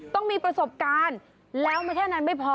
ต้องมีประสบการณ์แล้วไม่แค่นั้นไม่พอ